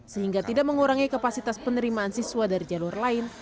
sehingga tidak mengurangi kapasitas penerimaan siswa dari jalur lain